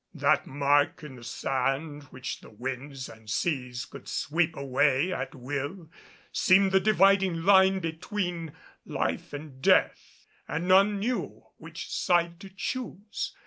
That mark in the sand which the winds and seas could sweep away at will seemed the dividing line between life and death, and none knew which side to choose.